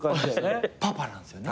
パパなんですよね。